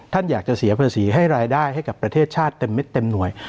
ท่านอยากจะเสียภาษีให้รายได้ให้กับประเทศชาติเต็มเม็ดเต็มหน่วย